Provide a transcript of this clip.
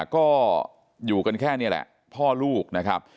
ก็อยู่กันแค่นี้แหละพ่อลูกนะครับ